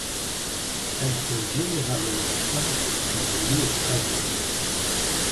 Elles sont généralement peintes sur des murs aveugles.